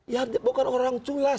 ya bukan orang culas